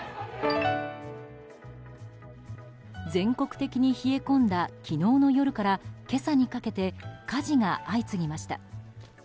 全国的に冷え込んだ昨日の夜から今朝にかけて火事が相次ぎました。